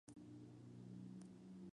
España tiene una embajada en Roma.